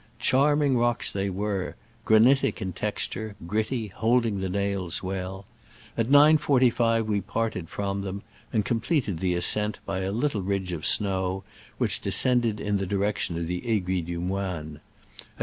Charming rocks they were — granitic in texture, gritty, holding the nails well. At 9.45 we part ed from them, and completed the ascent by a little ridge of snow which descend ed in the direction of the Aiguille du Moine. At 10.